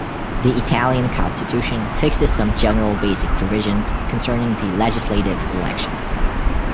The Italian Constitution fixes some general basic provisions concerning the legislative elections.